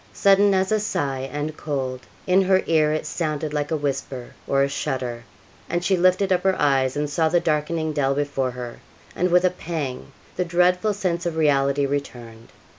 Sudden as a sigh, and cold; in her ear it sounded like a whisper or a shudder, and she lifted up her eyes and saw the darkening dell before her; and with a pang, the dreadful sense of reality returned.